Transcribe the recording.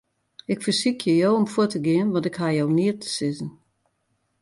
Ik fersykje jo om fuort te gean, want ik haw jo neat te sizzen.